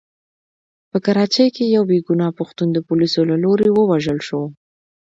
په کراچۍ کې يو بې ګناه پښتون د پوليسو له لوري ووژل شو.